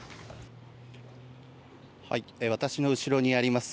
私の後ろにあります